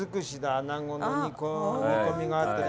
アナゴの煮込みがあったり。